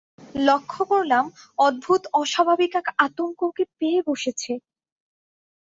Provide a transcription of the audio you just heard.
লক্ষ করলাম, অদ্ভূত অস্বাভাবিক এক আতঙ্ক ওকে পেয়ে বসেছে।